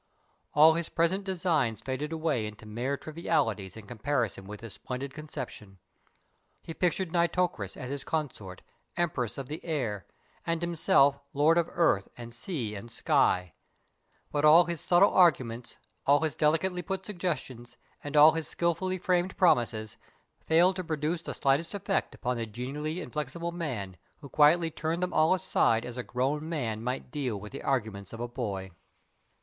All his present designs faded away into mere trivialities in comparison with this splendid conception. He pictured Nitocris, as his consort, Empress of the air, and himself Lord of earth and sea and sky. But all his subtle arguments, all his delicately put suggestions, and his skilfully framed promises failed to produce the slightest effect upon the genially inflexible man, who quietly turned them all aside, as a grown man might deal with the arguments of a boy.